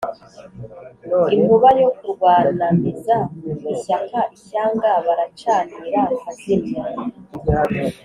inkuba yo kurwanamiza, ishyaka ishyanga baracanira nkazimya.